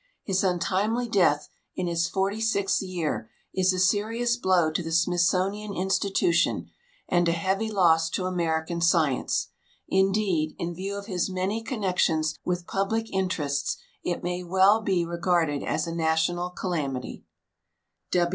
His un timelj" death, in his forty sixth year, is a serious blow to the Smithsonian Institution and a heavy loss to American science — indeed, in view of his many connections with i)ublic interests, it may well be regarded as a national calamity.